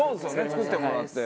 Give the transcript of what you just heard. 作ってもらって。